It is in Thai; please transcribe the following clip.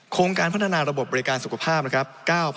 โครงการพัฒนาระบบบริการสุขภาพนะครับ